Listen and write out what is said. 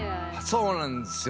そうなんですよ。